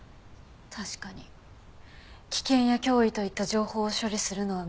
確かに危険や脅威といった情報を処理するのは右の脳。